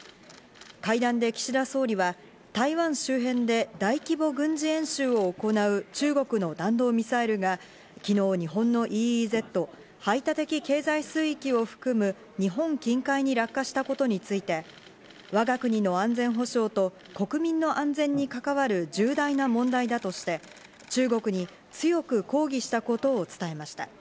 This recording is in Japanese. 会談で岸田総理は台湾周辺で大規模軍事演習を行う中国の弾道ミサイルが昨日、日本のＥＥＺ＝排他的経済水域を含む日本近海に落下したことについて、我が国の安全保障と国民の安全に関わる重大な問題だとして、中国に強く抗議したことを伝えました。